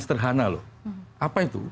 sederhana loh apa itu